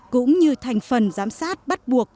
cũng như thành phần giám sát bắt buộc